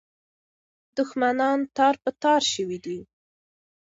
دښمنان تار په تار سوي دي.